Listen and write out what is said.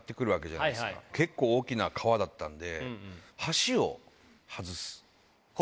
結構大きな川だったんで。